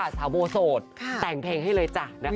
ว่าสาวโบโสดแต่งเพลงให้เลยจ้ะ